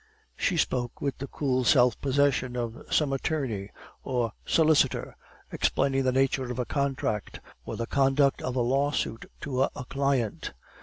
"She spoke with the cool self possession of some attorney or solicitor explaining the nature of a contract or the conduct of a lawsuit to a client.